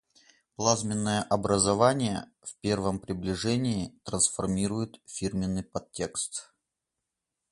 Плазменное образование, в первом приближении, трансформирует фирменный подтекст.